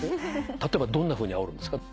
例えばどんなふうにあおるんですか？